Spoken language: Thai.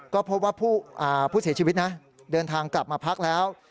ก็พบว่าผู้เสียชีวิตนะเดินทางกลับมาพักแล้ว